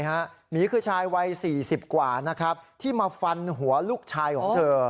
หมีคือชายวัย๔๐กว่าที่มาฟันหัวลูกชายของเธอ